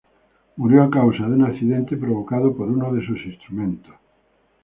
Murió a causa de un accidente provocado por uno de sus instrumentos.